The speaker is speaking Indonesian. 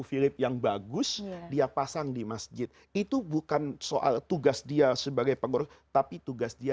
philip yang bagus dia pasang di masjid itu bukan soal tugas dia sebagai pengurus tapi tugas dia